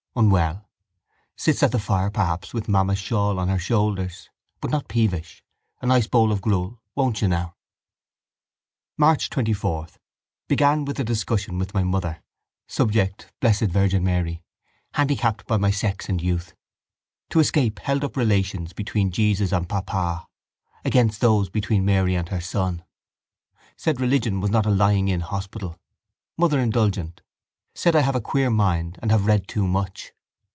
Unwell? Sits at the fire perhaps with mamma's shawl on her shoulders. But not peevish. A nice bowl of gruel? Won't you now? March 24. Began with a discussion with my mother. Subject: B.V.M. Handicapped by my sex and youth. To escape held up relations between Jesus and Papa against those between Mary and her son. Said religion was not a lying in hospital. Mother indulgent. Said I have a queer mind and have read too much.